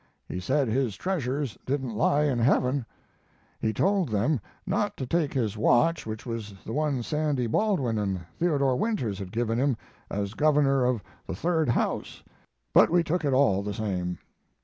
He said his treasures didn't lie in heaven. He told them not to take his watch, which was the one Sandy Baldwin and Theodore Winters had given him as Governor of the Third House, but we took it all the same.